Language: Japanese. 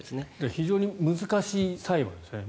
非常に難しい裁判ですね。